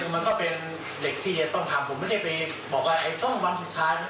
มันก็เป็นเหล็กที่เดี๋ยวต้องถามผมไม่ได้ไปบอกว่าไอ้ต้องวันสุดท้าย